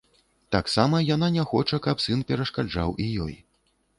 Таксама яна не хоча, каб сын перашкаджаў і ёй.